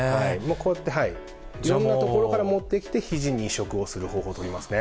こうやって、いろんな所から持ってきて、ひじに移植をする方法を取りますね。